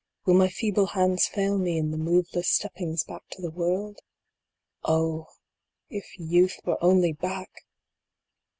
Will my feeble hands fail me in the moveless stoppings back to the world ? Oh ! if youth were only back